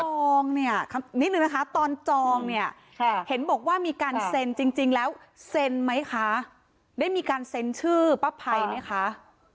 องเนี่ยนิดนึงนะคะตอนจองเนี่ยเห็นบอกว่ามีการเซ็นจริงแล้วเซ็นไหมคะได้มีการเซ็นชื่อป้าภัยไหมคะ